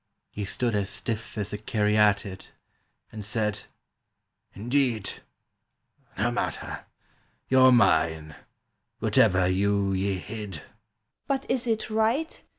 — He stood as stiff as a caryatid, And said, "Indeed! ... No matter. You're mine, whatever you ye hid!" "But is it right!